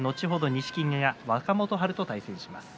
錦木が若元春と対戦します。